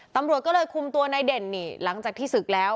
ตำรวจก็เลยคุมตัวในเด่นนี่หลังจากที่ศึกแล้ว